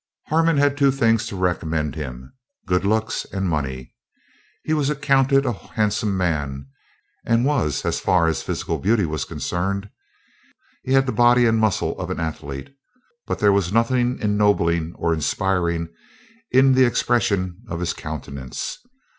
Harmon had two things to recommend him—good looks and money. He was accounted a handsome man, and was as far as physical beauty was concerned. He had the body and muscle of an athlete, but there was nothing ennobling or inspiring in the expression of his countenance.